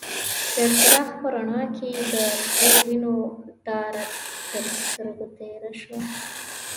د څراغ په رڼا کې يې د سرو وينو داره تر سترګو تېره شوه.